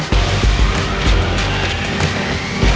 ขอบคุณค่ะ